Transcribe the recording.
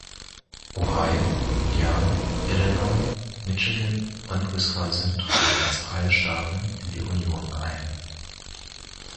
Ohio, Indiana, Illinois, Michigan und Wisconsin traten als freie Staaten in die Union ein.